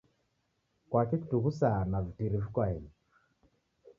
Kwaki kutughusaa na vitiri viko aeni?